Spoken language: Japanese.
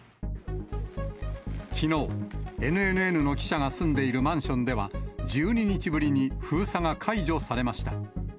きのう、ＮＮＮの記者が住んでいるマンションでは、１２日ぶりに封鎖が解除されました。